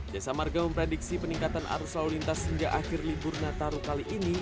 jasa marga memprediksi peningkatan arus lalu lintas hingga akhir libur nataru kali ini